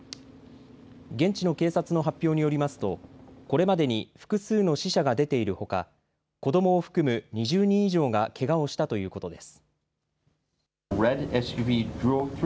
現地の警察の発表によりますとこれまでに複数の死者が出ているほか子どもを含む２０人以上がけがをしたということです。